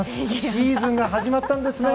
シーズンが始まったんですね。